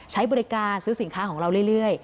ใช้บริการซื้อสินค้าของเราเรื่อย